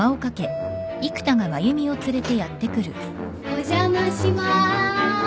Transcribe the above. お邪魔します。